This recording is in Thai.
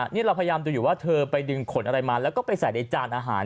นี่เราพยายามดูอยู่ว่าเธอไปดึงขนอะไรมาแล้วก็ไปใส่ในจานอาหาร